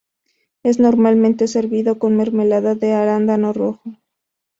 Es normalmente servido con mermelada de arándano rojo.